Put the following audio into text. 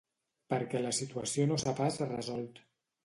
Perquè la situació no s’ha pas resolt.